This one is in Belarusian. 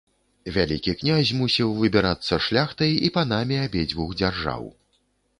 Вялікі князь мусіў выбірацца шляхтай і панамі абедзвюх дзяржаў.